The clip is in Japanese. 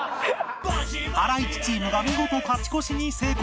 ハライチチームが見事勝ち越しに成功！